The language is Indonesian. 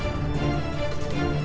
jangan pak landung